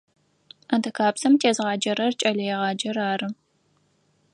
Адыгабзэм тезгъаджэрэр кӏэлэегъаджэр ары.